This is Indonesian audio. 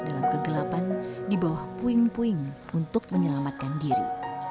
dalam kegelapan di bawah puing puing untuk menyelamatkan diri